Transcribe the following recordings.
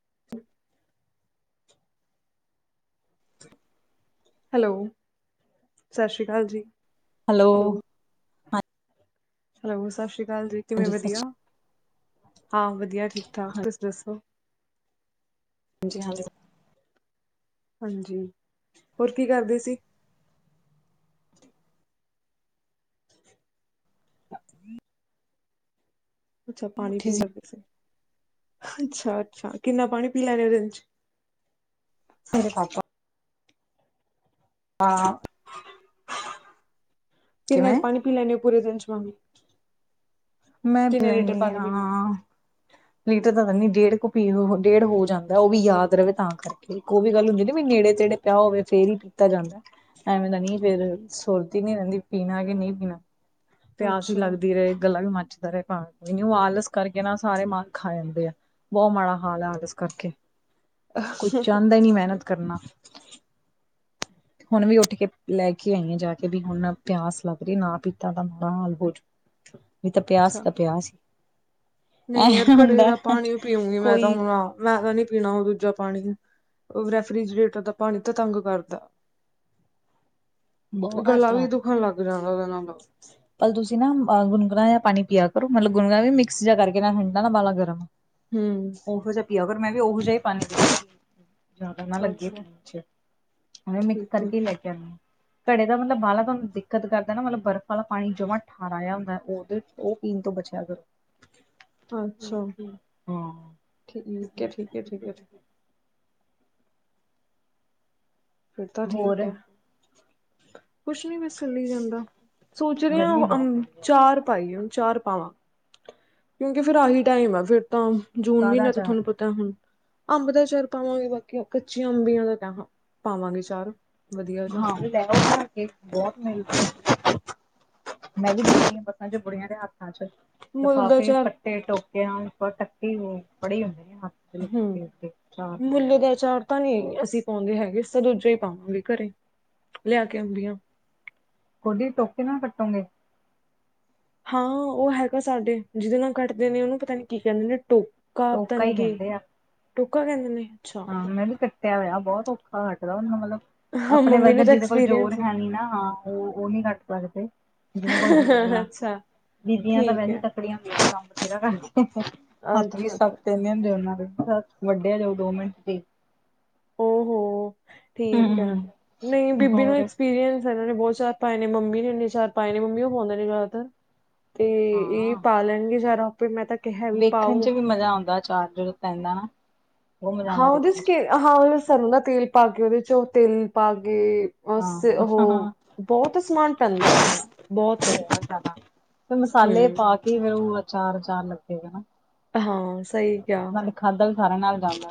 [unintelligible] [inaudible] Hello! ਸਤਿ ਸ਼੍ਰੀ ਅਕਾਲ ਜੀ। ਹੈਲੋ। ਹੈਲੋ ਸਤਿ ਸ਼੍ਰੀ ਅਕਾਲ ਜੀ ਕਿਵੇਂ ਹਾਂਜੀ ਸਤਿ ਵਧੀਆ ਸ਼੍ਰੀ ਹਾਂ ਵਧੀਆ ਠੀਕ ਠਾਕ ਤੁਸੀਂ ਦੱਸੋ। ਜੀ [unintelligible] ਹਾਂਜੀ ਹੋਰ ਕੀ ਕਰਦੇ ਸੀ। [unintelligible] ਅੱਛਾ ਪਾਣੀ ਪੀਣ ਜੀ ਲੱਗੇ ਸੀ ਅੱਛਾ ਅੱਛਾ ਕਿੰਨਾ ਪਾਣੀ ਪੀ ਲੈਣੇ ਦਿਨ ਚ ਹਰੇ [unintelligible] ਹਾਂ। ਕਿੰਨਾ ਪਾਣੀ ਪੀ ਲੈਂਦੇ ਹੋ ਪੂਰੇ ਦਿਨ ਚ ਸ਼ਾਮੀ ਮੈਂ ਬੁਲੈਂਦੀ ਹਾਂ। ਲੀਟਰ ਤਾਂ ਦੀ ਡੇਢ ਕੁ ਪੀਰ ਡੇਢ ਹੋ ਜਾਂਦਾ ਉਹ ਵੀ ਯਾਦ ਰਵੇ ਤਾਂ ਕਰਕੇ। ਉਹ ਵੀ ਗੱਲ ਹੁੰਦੀ ਨਾ ਵੀ ਨੇੜੇ ਤੇੜੇ ਪਿਆ ਹੋਵੇ ਫਿਰ ਹੀ ਕੀਤਾ ਜਾਂਦਾ। ਐਵੇਂ ਦਾ ਨਹੀਂ ਫਿਰ ਸੂਰਤ ਨੀ ਰਹਿੰਦੀ ਪੀਣਾ ਕੇ ਨਹੀਂ ਪੀਣਾ। ਪਿਆਸ ਵੀ ਅੱਛਾ ਲੱਗਦੀ ਰਹੇ ਗੱਲਾਂ ਵੀ ਮਨ ਖਾਣ ਨੂੰ ਆਲਸ ਕਰਕੇ ਨਾ ਸਾਰੇ ਮਨ ਖਾ ਜਾਂਦੇ ਆ। ਬਹੁਤ ਮਾੜਾ ਹਾਲ ਹੈ। [inaudible] ਇਸ ਕਰਕੇ ਕੋਈ ਚਾਹੰਦਾ ਹੀ ਨਹੀਂ ਮਿਹਨਤ ਕਰਨਾ। ਹੁਣ ਵੀ ਉੱਠ ਕੇ ਲੈ ਕੇ ਆਈ ਆ ਜਾ ਕੇ ਵੀ ਹੁਣ ਪਿਆਸ ਲੱਗ ਰਹੀ ਨਾ ਪੀਤਾ ਤਾਂ ਬੁਰਾ ਹਾਲ ਹੋਜੂ। ਵੀ ਤਾਂ ਪਿਆਸ ਅੱਛਾ ਤਾ ਪਿਆਸ। ਐ ਨਹੀਂ ਯਾਰ ਘੜੇ ਹੁੰਦਾ ਦਾ ਪਾਣੀ ਪੀਊਂਗੀ ਮੈਂ ਤਾਂ ਕੋਈ ਹੁਣ ਆ। ਮੈਂ ਤਾਂ ਨੀ ਪੀਣਾ ਉਹ ਦੂਜਾ ਪਾਣੀ। ਉਹ ਰੈਫ੍ਰਿਜਰੇਟਰ ਦਾ ਪਾਣੀ ਤਾਂ ਤੰਗ ਕਰਦਾ। ਬਹੁਤ ਗਲਾ ਘੱਟ ਵੀ ਦੁਖਣ ਲੱਗ ਜਾਂਦਾ ਉਹਦੇ ਨਾਲ। ਪਲ ਤੁਸੀਂ ਨਾਹ ਗੁਨਗਣਾ ਜਾਂ ਪਾਣੀ ਪੀਆ ਕਰੋ ਮਤਲਬ ਗੁਨਗਣਾ ਵੀ ਮਿਕਸ ਜਾ ਕਰਕੇ ਹੁੰਦਾ ਨਾ ਮਾੜਾ ਗਰਮ। ਹੂੰ ਉਹੋ ਜਿਹਾ ਪੀਆ ਕਰ ਮੈਂ ਵੀ ਉਹੋ ਜਿਹਾ ਅੱਛਾ ਠੀਕ ਆ [unintelligible] [unintelligible] ਘੜੇ ਦਾ ਮਤਲਬ ਬਾਹਲਾ ਤੁਹਾਨੂੰ ਦਿੱਕਤ ਕਰਦਾ ਨਾ ਮਤਲਬ ਬਰਫ਼ ਵਾਲਾ ਪਾਣੀ ਜਮਾ ਠਾਰਾ ਆਇਆ ਹੁੰਦਾ। ਉਹਦੇ ਉਹ ਪੀਣ ਤੋਂ ਬਚਿਆ ਕਰੋ। ਅੱਛਾ ਹਾਂ ਠੀਕ ਹੈ ਠੀਕ ਹੈ ਠੀਕ ਹੈ ਠੀਕ [unintelligible] ਫਿਰ ਤਾਂ ਠੀਕ ਹੋਰ ਹੈ। ਕੁਛ ਨੀ ਬੱਸ ਚਲੀ ਜਾਂਦਾ ਸੋਚ ਰਿਹਾ ਗਰਮੀ ਉਹ ਬਹੁਤ [inaudible] ਪੈਂਦੀ ਹੈ ਚਾਰ ਪਾਈਏ ਹੁਣ ਚਾਰ ਪਾਵਾਂ, ਕਿਉਂਕਿ ਫਿਰ ਆਹੀ ਟਾਈਮ ਆ ਫਿਰ ਤਾਂ ਜੂਨ ਸਾਦਾ ਮਹੀਨੇ ਤੋਂ ਚਾਰ ਤੁਹਾਨੂੰ ਪਤਾ ਹੁਣ। ਅੰਬ ਦਾ ਆਚਾਰ ਪਾਵਾਂਗੇ ਬਾਕੀ ਕੱਚੀਆਂ ਅੰਬੀਆਂ ਦਾ [inaudible] ਪਾਵਾਂਗੇ ਚਾਰ। ਵਧੀਆ ਜਾ ਹਾਂ [unintelligible] ਬਹੁਤ ਮ [inaudible] ਮੈਂ ਵੀ ਅੱਛਾ ਦੇਖੀਆਂ ਬੱਸਾਂ ਚ ਬੁੜੀਆਂ ਦੇ ਹੱਥਾਂ ਚ ਮੁੱਲ ਦਾ ਲਿਫਾਫੇ ਫ ਅਚਾਰ ਤੇ ਟੋਕੇ [inaudible] ਟੱਕੀ ਫੜੀ ਹੁੰਦੀ ਆ। ਹਮ ਮੁੱਲ ਦਾ ਆਚਾਰ ਤਾਂ ਨੀ ਅਸੀਂ ਪਾਉਂਦੇ ਹੈਗੇ, ਤਾਂ ਦੂਜਾ ਹੀ ਪਾਵਾਂਗੇ। ਘਰੇ ਲਿਆ ਕੇ ਅੰਬੀਆ। ਗੋਡੀ ਟੋਕੇ ਨਾ ਕੱਟੋਗੇ? ਹਾਂ ਉਹ ਹੈਗਾ ਸਾਡੇ ਜਿਹਦੇ ਨਾਲ ਕੱਟਦੇ ਨੇ ਉਹਨੂੰ ਪਤਾ ਨੀ ਕੀ ਕਹਿੰਦੇ ਨੇ ਟੋ- ਕਾ ਟੋਕਾ ਤਨਕ ਹੀ ਕਹਿੰਦੇ ਆ ਟੁਕਾ ਕਹਿੰਦੇ ਨੇ? ਅੱਛਾ ਹਾਂ, ਮੈਂ ਵੀ ਕੱਟਿਆ ਹੋਇਆ ਬਹੁਤ ਔਖਾ ਕਟਦਾ ਉਨੂੰ ਮਤਲਬ ਹਾਂ ਆਪਣੇ ਮੰਮੀ ਨੂੰ ਵਰਗੇ ਤਾਂ ਜਿਹਦੇ ਕੋਲ ਜ਼ੋਰ ਐਕਸਪੀਰੀਅੰਸ ਹੈ ਨੀ ਨਾ ਉਹ ਉਹ ਨਹੀਂ ਘੱਟ ਸਕਦੇ। ਜਿਹਨਾਂ ਕੋਲ ਜੂਗਾ ਅੱਛਾ ਬੀਦੀਆਂ ਤਾਂ ਠੀਕ ਵਹਦੀ ਹੈ ਤੱਕ ਲੜ [unintelligible] ਦੇ ਕੰਮ ਵਥੇਰਾ ਕਰਦੇ ਹੱਥ ਵੀ ਅੱਛਾ ਅੱਛਾ ਸਖ਼ਤ ਏ। [unintelligible] ਵੱਡਿਆ ਜਾਓ ਦੋ ਮਿੰਟ ਤੇ ਹੋ ਹੋ ਠੀਕ ਆ! ਨਹੀਂ ਬੀਬੀ ਨੂੰ ਹੋਰ ਐਕਸਪੀਰੀਅੰ ਫ ਇਹਨਾਂ ਨੇ ਬਹੁਤ ਚਾਰ ਪਾਏ ਨੇ ਮੰਮੀ ਨੇ ਇਨੇ ਚਾਰ ਪਾਏ ਨੇ ਮੰਮੀ ਉਹ ਪਾਉਂਦੇ ਨੇ ਜਿਆਦਾਤਰ। ਏ ਇਹ ਹਾਂ। ਪਾ ਲੈਣਗੇ ਅਚਾਰ ਆਪੇ। ਮੈਂ ਤਾਂ ਕਿਹਾਂ। ਵੇਖਣ ਚ ਵੀ ਮਜ਼ਾ ਆਉਂਦਾ ਅਚਾਰ ਜਦੋਂ ਪੈਂਦਾ ਨਾ। ਬਹੁਤ ਮਜ਼ਾ ਹਾਂ ਆਉਂਦਾ ਉਹਦੇ ਦੇਖਣ ਚ ਹਾਂ ਉਹ ਸਰੋਂ ਦਾ ਤੇਲ ਪਾ ਕੇ ਉਹਦੇ ਚ ਉਹ ਤੇਲ ਪਾ ਕੇ ਹਾਂ [inaudible] ਉਹ ਬਹੁਤ ਬਹੁਤ ਸਮਾਨ ਪੈਂਦੇ ਬਹੁਤ। ਜ਼ਿਆਦਾ। ਫਿਰ ਮਸਾਲੇ ਹੂੰ ਪਾ ਕੇ ਫੇਰ ਉਹ ਅਚਾਰਚਾਰ ਲੱਗੇਗਾ ਨਾ। ਹਾਂ ਸਹੀ ਕਿਆ। ਤੇ ਖਾਂਦਾ ਵੀ ਸਾਰਿਆਂ ਨਾਲ਼ ਜਾਂਦਾ।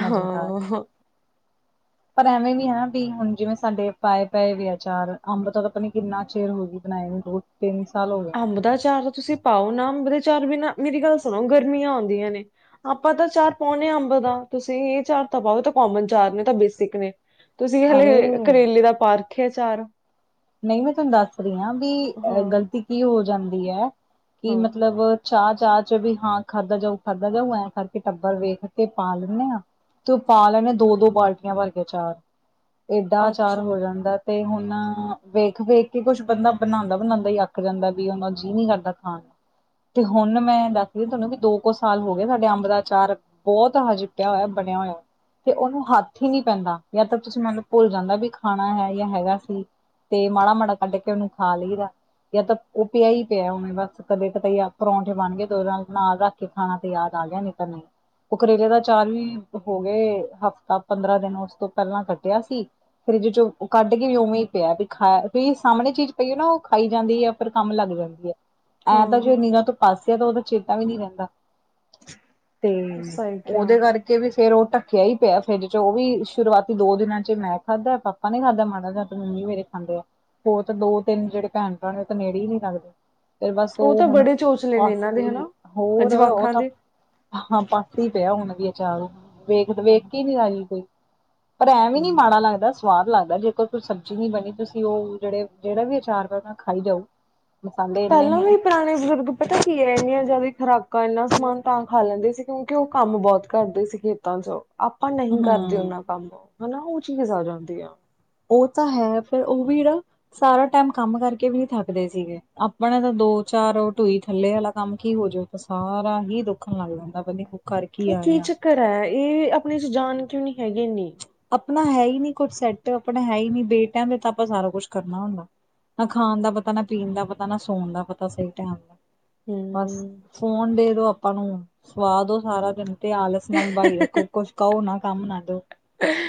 ਮਜ਼ੇ ਨਾਲ। [inaudible] ਪਰ ਐਵੇਂ ਵੀ ਹੈਂ। ਵੀ ਹੁਣ ਜਿਵੇਂ ਸਾਡੇ ਪਾਏਂ ਪਏ ਵੀ ਅਚਾਰ ਅੰਬ ਦਾ ਤੇ ਪਤਾ ਨੀਂ ਕ ਕਿੰਨਾ ਚਿਰ ਹੋ ਗਈ ਬਣਾਏ ਨੂੰ ਦੋ ਤਿੰਨ ਸਾਲ ਹੋ ਗਏ। ਆ। ਅੰਬ ਦਾ ਅਚਾਰ ਤਾਂ ਤੁਸੀਂ ਪਾਓ ਨਾ। ਅੰਬ ਦੇ ਅਚਾਰ ਬਿਨਾਂ ਮੇਰੀ ਗੱਲ਼ ਸੁਣੋਂ ਗਰਮੀਆਂ ਆਂਉਦੀਆਂ ਨੇਂ। ਆਪਾਂ ਤਾਂ ਚਾਰ ਪਾਉਣੇ ਹਾਂ ਅੰਬ ਦਾ। ਤੁਸੀਂ ਇਹ ਚਾਰ ਤਾਂ ਪਾਓ ਤਾਂ ਕੋਮਨ ਚਾਰ ਨੇ ਤਾਂ ਬੇਸਿਕ ਨੇ। ਤੁਸੀਂ ਹਲੇ ਅਰੇ ਕਰੇਲੇ ਦਾ ਪਾ ਰੱਖਿਆ ਅਚਾਰ। ਨਹੀਂ ਮੈਂ ਤੁਹਾਂਨੂੰ ਦੱਸ ਰਹੀਂ ਹਾਂ। ਬੀ ਹਾਂ ਗ਼ਲਤੀ ਕੀ ਹੋ ਜਾਂਦੀ ਹੈਂ। ਕਿ ਹਾਂ ਮੱਤਲਬ ਚਾ-ਚਾ ਚ ਵੀ ਹਾਂ, ਖਾਧਾ ਜਾਊ, ਖਾਧਾ ਜਾਊ ਐਂ ਕਰਕੇ ਟੱਬਰ ਵੇਖ ਕੇ ਪਾ ਲੈਂਨੇ ਆਂ ਤੇ ਉਹ ਪਾ ਲੈਣੇ ਦੋ-ਦੋ ਬਾਲਟੀਆਂ ਭਰ ਕੇ ਅਚਾਰ। ਏਡਾ ਅਚਾਰ ਅੱਛਾ ਹੋ ਜਾਂਦਾਂ ਤੇ ਹੁਣ। ਵੇਖ ਵੇਖ ਕੇ ਕੁੱਛ ਬੰਦਾਂ ਬਣਾਦਾ ਬਣਾਦਾ ਹੀ ਅੱਕ ਜਾਂਦਾ। ਵੀ ਉਹਨਾਂ ਜੀਅ ਨੀਂ ਕਰਦਾਂ ਖਾਣ ਨੂੰ। ਤੇ ਹੁਣ ਮੈਂ ਦੱਸਦੀ ਤੁਹਾਨੂੰ ਵੀ ਦੋ ਕੁ ਸਾਲ ਹੋ ਗਿਆ ਸਾਡੇ ਅੰਬ ਦਾ ਅਚਾਰ ਬਹੁਤ। ਹਜੇ। ਪਿਆ ਹੋਇਆ ਬਣਿਆ ਹੋਇਆ। ਤੇ ਉਹਨੂੰ ਹੱਥ ਹੀ ਨਹੀਂ ਪੈਂਦਾ ਜਾਂ ਤਾਂ ਤੁਸੀਂ ਮੈਨੂੰ ਭੁੱਲ ਜਾਂਦਾ ਵੀ ਖਾਣਾ ਹੈ ਜਾਂ ਹੈਗਾ ਸੀ। ਤੇ ਮਾੜਾ-ਮਾੜਾ ਕੱਢ ਕੇ ਉਹਨੂੰ ਖਾ ਲਈਦਾ। ਜਾਂ ਤਾਂ ਉਹ ਪਿਆ ਹੀ ਪਿਆ ਹਨਣੇ ਬਸ ਕਦੇ ਕਤਾ ਪਰੌਂਠੇ ਬਣ ਗਏ ਤੇ ਉਹਦੇ ਨਾਲ ਰੱਖ ਖਾਣਾਂ ਤੇ ਯਾਦ ਆ ਗਿਆਂ। ਨਹੀਂ ਤਾਂ ਨਹੀਂ ਉਹ ਕਰੇਲੇ ਦਾ ਚਾਰ ਵੀ ਹੋ ਗਏ ਹਫ਼ਤਾ ਪੰਦਰਾਂ ਦਿਨ ਉਸ ਤੋਂ ਪਹਿਲਾਂ ਕੱਟਿਆ ਸੀ ਫਰਿੱਜ਼ ਚ ਕੱਢ ਕੇ ਉਵੇਂ। ਪਿਆ ਵੀ ਖਾ ਵਈ ਸਾਹਮਣੇ ਚੀਜ਼ ਪਈ ਹੈਂ ਨਾ ਉਹ ਖਾਈ ਜਾਂਦੀ ਹੈਂ। ਫ਼ਿਰ ਕੰਮ ਲੱਗ ਜਾਂਦੀ ਹੈਂ। ਐਂ ਤਾਂ ਹਾਂ ਜੋੇ ਨੀਰਾਂ ਤੋਂ ਪਾਸੇ ਆ ਤਾਂ ਉਹਦਾ ਚੇਤਾ ਵੀ ਨਹੀਂ ਰਹਿੰਦਾ। ਤੇ ਸਹੀ ਕਿਹਾ ਉਹਦੇ ਕਰਕੇ। ਵੀ ਫੇਰ ਉਹ ਢੱਕਿਆ ਹੀ ਪਿਆ ਫਰਿੱਜ ਚ ਉਹ ਵੀ ਸ਼ੁਰੂਆਤੀ ਦੋ ਦਿਨਾਂ ਚ ਮੈਂ ਖਾਧਾ ਪਾਪਾ ਨੀ ਖਾਧਾ ਮਾੜਾ ਜ ਮੰਮੀ ਮੇਰੇ ਖਾਂਦੇ ਆ ਹੋਰ ਤਾਂ ਦੋ ਤਿੰਨ ਜਿਹੜੇ ਭੈਣ ਭਰਾ ਨੇ ਉਹ ਤੇ ਨੇੜੇ ਹੀ ਨਹੀਂ ਲੱਗਦੇ। ਫਿਰ ਬਸ ਉਹ ਤਾਂ ਹੁਣ ਬੜੇ ਚੋਚਲੇ ਨੇ ਪਾਸ ਇਹਨਾਂ ਦੇ ਹਨਾ ਹੋਰ ਉਹ ਜਵਾਕਾਂ ਤਾਂ ਦੇ ਹਾਂ ਪਾਸੇ ਹੀ ਪਿਆ ਹੁਣ ਵੀ ਅਚਾਰ ਵੇਖ ਹਾਂ ਵੇਖ ਕੇ ਨੀ ਆਈ ਕੋਈ ਪਰ ਐਵੇ ਵੀ ਨੀ ਹਮ। ਮਾੜਾ ਲੱਗਦਾ ਸਵਾਦ ਲਗਦਾ ਜੇ ਕੋ ਕੋ ਸਬਜ਼ੀ ਨਹੀਂ ਬਣੀ ਤੁਸੀਂ ਉਹ ਜਿਹੜੇ ਜਿਹੜਾ ਵੀ ਅਚਾਰ ਵ ਉਹ ਖਾਈ ਜਾਓ। ਮਸਾਲੇ ਇੰਨੇ ਪਹਿਲਾਂ ਨੇ ਵੀ ਪੁਰਾਣੇ ਬਜ਼ੁਰਗ ਪਤਾ ਕੀ ਹੈ ਇੰਨੀਆਂ ਜ਼ਿਆਦਾ ਖੁਰਾਕਾਂ ਇੰਨਾ ਸਮਾਨ ਤਾਂ ਖਾ ਲੈਂਦੇ ਸੀ ਕਿਉਂਕਿ ਉਹ ਕੰਮ ਬਹੁਤ ਕਰਦੇ ਸੀ ਖੇਤਾਂ ਚ ਆਪਾਂ ਨਹੀਂ ਕਰਦੇ ਹੂੰ ਉਹਨਾਂ ਕੰਮ ਹੈਨਾ ਉਹ ਚੀਜ਼ ਆ ਜਾਂਦੀ ਆ ਉਹ ਤਾਂ ਹੈਂ। ਫ਼ਿਰ ਉਹ ਵੀ ਨਾ। ਸਾਰਾ ਟਾਈਮ ਕੰਮ ਕਰਕੇ ਵੀ ਨੀ ਥੱਕਦੇ ਸੀਗੇ ਆਪਣੇ ਤਾਂ ਦੋ ਚਾਰ ਟਢੂਈ ਥੱਲੇ ਵਾਲਾ ਕੰਮ ਕੀ ਹੋਜਓ ਸਾਰਾਂ ਹੀ ਦੁੱਖਣ ਲੱਗ ਜਾਂਦਾ। ਪਤਾ ਨੀਂ ਇਹ ਕੀ ਚੱਕਰ ਹੈਂ। ਇਹ ਆਪਣੇਂ ਚ ਜਾਣ ਕਿਉਂ ਨੀਂ ਹੈਗੀ ਏਨੀਂ। ਆਪਣਾ ਹੈ ਹੀ ਨੀ ਕੁੱਛ ਸੈੱਟ ਆਪਣਾ ਹੈ ਹੀ ਨੀ ਬੇ। ਟਾਇਮ ਦੇ ਤਾਂ ਆਪਾਂ ਸਾਰਾ ਕੁਛ ਕਰਨਾ ਹੁੰਦਾ। ਨਾ ਖਾਣ ਦਾ ਪਤਾ ਨਾ ਪੀਣ ਦਾ ਪਤਾ ਨਾ ਸੋਣ ਦਾ ਪਤਾ ਸਹੀ ਟਾਈਮ ਦਾ ਹੂੰ। ਬਸ ਫੋਨ ਦੇ ਦੋ ਆਪਾਂ ਨੂੰ ਸਵਾਦ ਉਹ ਸਾਰਾ ਦਿਨ ਤੇ ਆਲਸ ਨਾਲ ਬਾਈ ਰੱਖੋ। ਕੁਛ ਕਹੋ ਨਾ ਕੰਮ ਨਾ ਦੋ।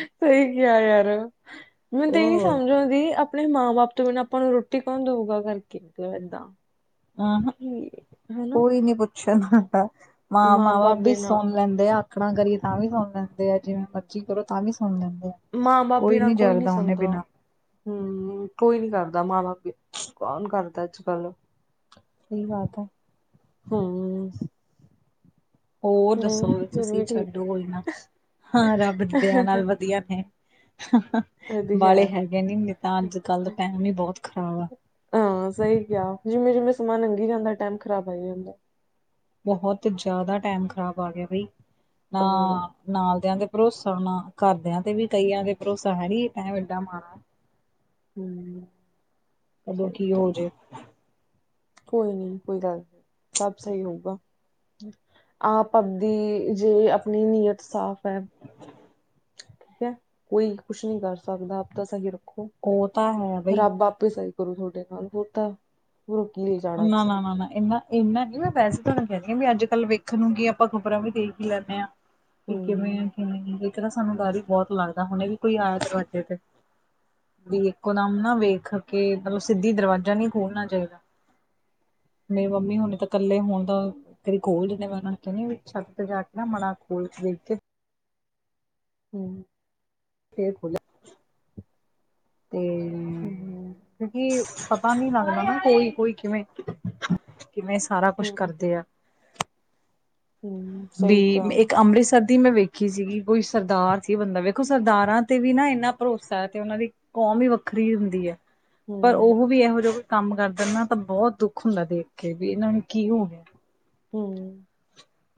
ਸਹੀ ਕਿਹਾ ਯਾਰ ਮੈਨੂੰ ਤਾਂ ਇਹ ਨੀ ਹੋਰ ਸਮਝ ਆਉਂਦੀ ਆਪਣੇ ਮਾਂ ਬਾਪ। ਤਿ ਨਾ ਆਪਾਂ ਨੂੰ ਰੋਟੀ ਕੌਣ ਦਊਗਾ ਕਰਕੇ ਮਤਲਬ ਏਦਾਂ। ਕਿ ਹਨਾ ਕੋਈ ਨੀਂ ਪੁੱਛਣ ਵਾਲਾ। ਮਾਂ ਮਾਂ ਬਾਪ ਵੀ ਸੁਣ ਲੈਂਦੇ ਆਕੜਾ ਕਰੀਏ ਤਾਂ ਵੀ ਸੁਣ ਲੈਂਦੇ ਆ ਜਿਵੇਂ ਮਰਜ਼ੀ ਕਰੋ ਤਾਂ ਵੀ ਸੁਣ ਲੈਂਦੇ ਆ ਮਾਂ ਬਾਪ। ਬਿਨਾਂ ਕੋਈ ਨੀ ਜਰਦਾ ਉਹਨੇ ਸੁਣਦਾ। ਬਿਨਾਂ ਹਮ ਕੋਈ ਨੀ ਕਰਦਾ ਮਾਂ ਬਾਪ ਦੀ ਕੌਣ ਕਰਦਾ ਅੱਜ ਕੱਲ। ਸਹੀ ਬਾਤ ਹੈ। ਹਾਂ ਹੋਰ ਦੱਸੋ ਨਹੀਂ ਫਿਰ ਤੁਸੀਂ ਵੀ ਠੀਕ ਛੱਡੋ ਹੋ ਨਾ ਹਾਂ ਰੱਬ ਦੀ ਦਯਾ ਹੈ। ਨਾਲ ਵਧੀਆ ਨੇ। ਇਹਦੀ ਹੈ ਬਾਲੇ ਹੈਗੇ ਨੇ। ਨਹੀ ਤਾਂ ਅੱਜ਼ ਕੱਲ੍ਹ ਦਾ ਟੈਮ ਹੀ ਬਹੁਤ ਖ਼ਰਾਬ ਆ। ਹਾਂ ਸਹੀ ਕਿਹਾ ਜਿਵੇਂ-ਜਿਵੇਂ ਸਮਾਂ ਲੰਘੀ ਜਾਂਦਾ ਟਾਈਮ ਖ਼ਰਾਬ ਆਈ ਜਾਂਦਾ ਬਹੁਤ ਜ਼ਿਆਦਾ ਟੈਮ ਖ਼ਰਾਬ ਆ ਗਿਆਂ ਬਈ। ਹੋਰ ਹਾਂ ਨਾਲਦਿਆਂ ਤੇ ਭਰੋਸਾ ਨਾ ਘਰਦਿਆਂ ਤੇ ਵੀ ਕਈਆਂ ਤੇ ਭਰੋਸਾ ਹੈ ਨ ਟੇਡਾ ਮਾੜਾ। ਹੂੰ ਕਦੋਂ ਸਹੀ ਕੀ ਕਿਹਾ ਹੋ ਜੇ ਕੋਈ ਨੀ ਕੋਈ ਗੱਲ ਨੀ ਸਭ ਸਹੀ ਹੋਊਗਾ। ਆਪ ਬਦੀ ਜੇ ਆਪਣੀ ਨੀਅਤ ਸਾਫ਼ ਹੈ [unintelligible] ਠੀਕ ਹੈ ਕੋਈ ਕੁਛ ਨੀ ਕਰ ਸਕਦਾ ਆਪ ਤਾਂ ਸਹੀ ਰੱਖੋ ਉਹ ਤਾਂ ਹੈ ਬਈ ਰੱਬ ਆਪ ਸਹੀ ਕਰੋ ਤੁਹਾਡੇ ਨਾਲ ਫੇ ਤਾਂ [inaudible] ਨਾ-ਨਾ-ਨਾ-ਨਾ ਇਹਨਾਂ ਇੰਨਾ ਕਿ ਮੈਂ ਵੈਸੇ ਤੁਹਾਨੂੰ ਕਹਿੰਦੀ ਹਾਂ ਵੀ ਅੱਜ ਕੱਲ ਵੇਖ ਨੂੰ ਕੀ ਆਪਾਂ ਖ਼ਬਰਾਂ ਵੀ ਦੇਖ ਹੀ ਲੈਂਦੇ ਹਾਂ। ਕਿ ਕਿਵੇਂ ਹਮ ਕਿ ਇੱਕ ਨਾ ਸਾਨੂੰ ਡਰ ਹੀ ਬਹੁਤ ਲੱਗਦਾ। ਹੁਣੇ ਵੀ ਕੋਈ ਆਇਆ ਦਰਵਾਜ਼ੇ ਤੇ। ਵੀ ਇੱਕੋਦਮ ਨਾ ਵੇਖ ਕੇ ਮਤਲਬ ਸਿੱਧੀ ਦਰਵਾਜ਼ਾ ਨਹੀਂ ਖੋਲਣਾ ਚਾਹੀਦਾ ਮੇਰੀ ਮੰਮੀ ਹੁਣੀ ਤਾਂ ਇਕੱਲੇ ਹੁਣ ਤਾਂ, ਤੇਰੀ ਖੋਲ ਜਿੰਨੇ ਮੈਂ ਉਹ ਨੂੰ ਕਹਿੰਦੀ ਛੱੱਤ ਤੇ ਜਾ ਕੇ ਨਾ ਮਾ ਖੋਲ ਦੇਖ ਕੇ ਹੂੰ, [unintelligible] ਤੇ ਹਮ ਕਿਉਂਕਿ ਪਤਾਂ ਨੀਂ ਲੱਗਦਾ ਨਾ ਕੋਈ ਕੋਈ ਕਿਵੇਂ ਕਿਵੇਂ ਸਾਰਾਂ ਕੁੱਛ ਹਮ ਕਰਦੇ ਆ। ਹੂੰ ਵੀ ਇੱਕ। ਅੰਮ੍ਰਿਤਸਰ ਦੀ ਮੈਂ ਵੇਖੀ ਸੀਗੀ ਕੋਈ ਸਰਦਾਰ ਸੀ ਬੰਦਾ ਵੇਖੋ ਸਰਦਾਰਾਂ ਤੇ ਵੀ ਨਾ ਇੰਨਾ ਭਰੋਸਾ ਹੈ ਤੇ ਉਹਨਾਂ ਦੀ ਕੌਮ ਵੀ ਵੱਖਰੀ ਹੁੰਦੀ ਐ। ਪਰ ਹਮ ਉਹ ਵੀ ਇਹੋ ਜਾ ਕੰਮ ਕਰਦੇ ਨਾ ਤਾਂ ਬਹੁਤ ਦੁੱਖ ਹੁੰਦਾ ਦੇਖ ਕੇ ਵੀ ਇਹਨਾਂ ਨੂੰ ਕੀ ਹੋ ਗਿਆ। ਹੂੰ,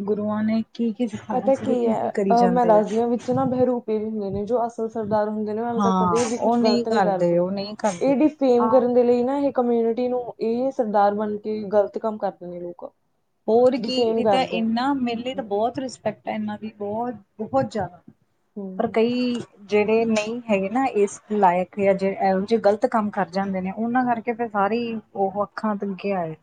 ਗੁਰੂਆਂ ਨੇ ਕੀ ਕੀ ਸਿਖਾਇਆ ਪਤਾ ਸੀ ਕੀ ਹੈ ਕੀ ਕਰੀ ਅਹ ਮੈਂ ਜਾਂਦੇ ਆ। ਦੱਸਦੀ ਹਾਂ ਵਿੱਚ ਬਹਿਰੂਪੇ ਵੀ ਹੁੰਦੇ ਨੇ ਜੋ ਅਸਲ ਸਰਦਾਰ ਹੁੰ ਹਾਂ ਕਦੇ ਵੀ ਉਹ ਕੁਛ ਨਹੀਂ ਗ਼ਲਤ ਨੀ ਕਰਦੇ ਉਹ ਨਹੀਂ ਕਰਦੇ ਏ ਫੇਮ ਆਹ ਕਰਨ ਦੇ ਲਈ ਨਾ ਇਹ, ਕਮਿਊਨਿਟੀ ਨੂੰ ਇਹ ਸਰਦਾਰ ਬਣ ਕੇ ਗ਼ਲਤ ਕੰਮ ਕਰਦੇ ਨੇ ਲੋਕ। ਹੋਰ ਡਿਫੇਮ ਕੀ ਤਾਂ ਕਰਦੇ ਇਹਨਾ ਮੇਰੇ ਲਈ ਤਾਂ ਨੇ ਬਹੁਤ ਰਿਸਪੈਕਟ ਹੈ ਇਹਨਾਂ ਦੀ ਬਹੁਤ ਬਹੁਤ ਜ਼ਿਆਦਾ ਹੂੰ ਪਰ ਹੂੰ ਕਈ ਜਿਹੜੇ ਨਹੀਂ ਹੈਗੇ ਨਾ ਇਸ ਲਾਇਕ ਜਾਂ ਇਹੋ ਜਿਹੇ ਗ਼ਲਤ ਕੰਮ ਕਰ ਜਾਂਦੇ ਨੇ ਉਹਨਾਂ ਕਰਕੇ ਫਿਰ ਸਾਰੇ ਉਹ ਅੱਖਾਂ ਆਏ ਸੀ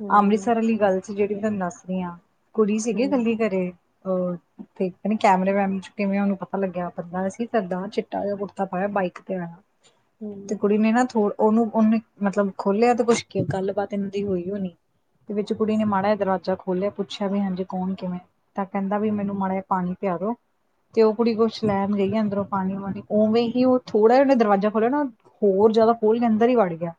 ਹੂੰ ਅੰਮ੍ਰਿਤਸਰ ਵਾਲ਼ੀ ਗੱਲ਼ ਸੀ। ਜਿਹੜੀ ਤੁਹਾਨੂੰ ਦੱਸਦੀ ਹਾਂ। ਕੁੜੀ ਸੀਗੀ ਹੂੰ ਇਕੱਲੀ ਸੀ ਘਰੇ ਹੋਰ। ਤੇ ਪਤਾ ਨੀ ਕੈਮਰੇ ਵੈਮਰੇ ਚ ਕਿਵੇਂ ਉਹਨੂੰ ਪਤਾ ਲੱਗਿਆ ਬੰਦਾ ਸੀ ਚਿੱਟਾ ਜਾ ਕੁੜਤਾ ਪਾਇਆ ਬਾਈਕ ਤੇ ਆਇਆ। ਤੇ ਹੂੰ ਕੁੜੀ ਨੇ ਨਾ ਥੋੜਾ ਉਹਨੂੰ ਉਹਨੇ ਮਤਲਬ ਖੋਲਿਆ ਤੇ ਕੁਛ ਗੱਲਬਾਤ ਇਹਨਾਂ ਦੀ ਹੋਈ ਹੋਣੀ। ਤੇ ਵਿੱਚ ਕੁੜੀ ਨੇ ਮਾੜਾ ਦਰਵਾਜ਼ਾ ਖੋਲ੍ਹਿਆ ਪੁੱਛਿਆ ਵੀ ਹਾਂਜੀ ਕੌਣ ਕਿਵੇਂ ਤਾਂ ਕਹਿੰਦਾ ਵੀ ਮੈਨੂੰ ਮਾੜਾ ਜ ਪਾਣੀ ਪਿਆ ਦੋ ਤੇ ਉਹ ਕੁੜੀ ਕੁਛ ਲੈਣ ਗਈ ਆ ਅੰਦਰੋਂ ਪਾਣੀ ਪਾਣੀ ਉਵੇਂ ਹੀ ਉਹ ਥੋੜ੍ਹਾ ਜਿੇ ਦਰਵਾਜ਼ਾ ਖੋਲਿਆ ਨਾ ਹੋਰ ਜ਼ਿਆਦਾ ਖੋਲ੍ਹ ਕੇ ਅੰਦਰ ਹੀ ਵੜ ਗਿਆ।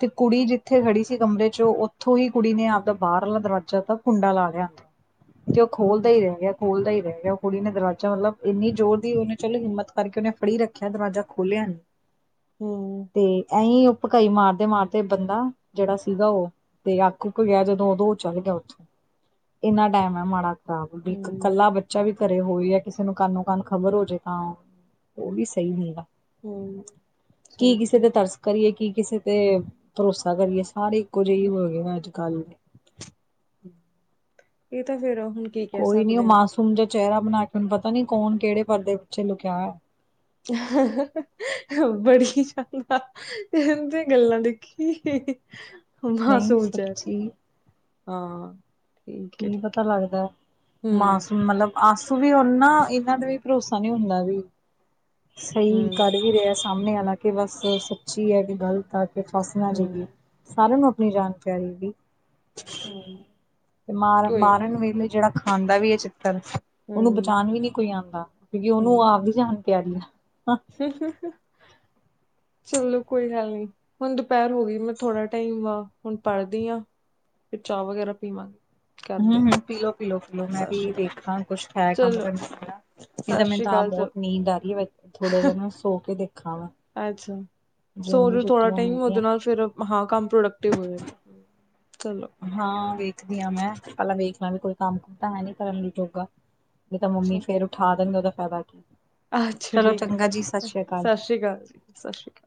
ਤੇ ਕੁੜੀ ਜਿੱਥੇ ਖੜੀ ਸੀ ਕਮਰੇ ਚ ਉੱਥੋਂ ਹੀ ਕੁੜੀ ਨੇ ਆਪ ਬਾਹਰਲਾ ਦਰਵਾਜ਼ਾ ਤਾਂ ਕੁੰਡਾ ਲਾ ਗਿਆ, ਤੇ ਉਹ ਖੋਲਦਾ ਈ ਰਹਿ ਗਿਆ। ਖੋਲ੍ਹਦਾ ਈ ਰਹਿ ਗਿਆ ਕੁੜੀ ਨੇ ਦਰਵਾਜ਼ਾ ਮਤਲਬ ਇੰਨੀ ਜ਼ੋਰ ਦੀ ਉਹਨੇ ਚਲੋ ਹਿੰਮਤ ਕਰਕੇ ਉਹਨੇ ਫੜੀ ਰੱਖਿਆ ਦਰਵਾਜ਼ਾ ਖੋਲ੍ਹਿਆ ਨੀ। ਹੂੰ ਤੇ ਐਈ ਕਈ ਮਾਰਦੇ-ਮਾਰਦੇ ਬੰਦਾ, ਜਿਹੜਾ ਸੀਗਾ ਉਹ, ਤੇ ਅਕ ਉੱਕ ਗਿਆ ਜਦੋਂ ਓਦੋਂ ਚੱਲ ਗਿਆ ਉੱਥੇ, ਇੰਨਾ ਟੈਮ ਐ ਮਾੜਾ। ਵੀ ਹੂੰ ਇਕੱਲਾ ਬੱਚਾ ਵੀ ਘਰੇ ਹੋਵੇ ਐ ਕਿਸੇ ਨੂੰ ਕਾਨੋ-ਕਾਨ ਖ਼ਬਰ ਹੋ ਜੇ ਤਾਂ, ਉਹ ਵੀ ਸਹੀ ਨੀ ਗਾ। ਹੂੰ ਕੀ ਸਹੀ ਕਿਸੇ ਕਿਹਾ ਦੇ ਤਰਸ ਕਰੀਏ ਕੀ ਕਿਸੇ ਤੇ, ਭਰੋਸਾ ਕਰੀਏ ਸਾਰੇ ਇੱਕੋ ਜੇ ਈ ਹੋ ਗਏ ਅੱਜ-ਕੱਲ। ਇਹ ਤਾਂ ਫੇਰ ਆ ਹੂੰ ਕੋਈ ਨੀ ਉਹ ਮਾਸੂਮ ਜਾ ਚਿਹਰਾ ਬਣਾ ਕੇ ਉਹਨੂੰ ਪਤਾ ਨੀ ਕੌਣ ਕਿਹੜੇ ਪਰਦੇ ਪਿੱਛੇ ਲੁਕਿਆ [unintelligible] ਇਹਦੀ ਗੱਲਾਂ ਦੇਖੀ, ਨਾ ਨਹੀਂ ਸੋਚ ਐ। ਸੱਚੀ ਹਾਂ ਕੀ ਠੀਕ ਪਤਾ ਹੈ ਲੱਗਦਾ ਹੂੰ ਮਾਸੂਮ ਮਤਲਬ ਆਸੂ ਵੀ ਉਨ੍ਹਾਂ ਇਹਨਾਂ ਦਾ ਵੀ ਭਰੋਸਾ ਨੀ ਹੁੰਦਾ ਵੀ, ਸਹੀ ਹੂੰ ਕਰ ਈ ਰਿਐ ਸਾਹਮਣੇ ਆਲਾ ਕਿ ਬਸ ਸੱਚੀ ਐ ਕਿ ਗ਼ਲਤ ਆ ਕਿ ਫਸ ਨਾ ਹੂੰ ਜਈਏ। ਸਾਰਿਆਂ ਨੂੰ ਆਪਣੀ ਜਾਨ ਪਿਆਰੀ ਦੀ ਹੂੰ। ਮਾਰ ਕੋਈ ਮਾਰਨ ਵੇਲੇ ਜਿਹੜਾ ਖਾਂਦਾ ਵੀ ਏ ਛਿੱਤਰ। ਉਹਨੂੰ ਹੂੰ ਬਚਾਨ ਵੀ ਨੀ ਕੋਈ ਆਂਦਾ, ਕਿਓਂਕਿ ਉਨੂੰ ਆਪਦੀ ਜਾਨ ਪਿਆਰੀ ਐ। ਹੂੰ-ਹੂੰ-ਹੂੰ, ਚਲੋ ਕੋਈ ਗੱਲ ਨੀ। ਹੁਣ ਦੁਪਹਿਰ ਹੋ ਗਈ ਮੈਂ ਥੋੜ੍ਹਾ ਟਾਈਮ ਵਾ ਹੁਣ ਪੜ੍ਹਦੀ ਹਾਂ ਫਿਰ ਚਾਹ ਵਗੈਰਾ ਪੀਵਾਂਗੀ ਹੂੰ-ਹੂੰ ਪੀਲੋ-ਪੀਲੋ-ਪੀਲੋ ਮੈਂ ਵੀ ਅਕਾਲ ਵੇਖਾਂ ਕੁਛ ਹੈ ਕੰਮ ਚਲੋ ਕਰਨਾ ਪਿਆ। ਸਤਿ ਏਦਾਂ ਮੈਨੂੰ ਸ਼੍ਰੀ ਤਾਂ ਆਪ ਅਕਾਲ ਚ ਬਹੁਤ ਨੀਂਦ ਆ ਰੀ ਐ, ਥੋੜਾ ਜਾ ਨਾ ਸੋ ਕੇ ਦੇਖਾ ਵਾ। ਅੱਛਾ ਸੋ ਜੂਨ ਦੀ ਉਹ ਥੋੜਾ ਛੁੱਟੀਆਂ ਟਾਈਮ ਹੈਗੀਆਂ ਉਹਦੇ ਨਾਲ ਫਿਰ ਹਾਂ ਕੰਮ ਪ੍ਰੋਡਕਟਿਵ ਹੋ ਜਾ ਚਲੋ ਹਾਂ ਵੇਖਦੀ ਆਂ ਮੈਂ, ਪਹਿਲਾਂ ਵੇਖ ਲ ਵੀ ਕੋਈ ਕੰਮ ਕੁਮ ਤਾਂ ਹੈ ਨੀ ਕਰਨ ਜੋਗਾ। ਜ ਤਾਂ ਮੰਮੀ ਫੇਰ ਉਠਾ ਦੇਣਗੇ ਉਹਦਾ ਫੈਦਾ ਕੀ। ਅੱਛਾ ਚਲੋ ਠੀਕ ਚੰਗਾ ਜੀ ਐ, ਸ੍ਰੀ ਅਕਾਲ ਸਤਿ ਸ੍ਰੀ ਅਕਾਲ ਜੀ-ਸਤਿ ਸ਼੍ਰੀ ਅਕਾਲ।